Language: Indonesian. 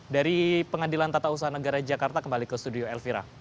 dari pengadilan tata usaha negara jakarta kembali ke studio elvira